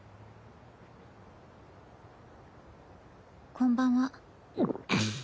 こんばんは。